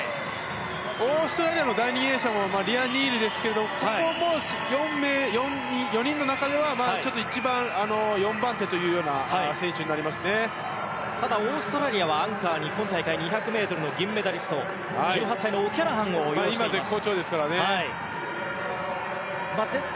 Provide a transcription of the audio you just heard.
オーストラリアの第２泳者もリア・ニールですがここも４人の中では一番、４番手というようなただ、オーストラリアはアンカーに今大会２００ｍの銀メダリストオキャラハンです。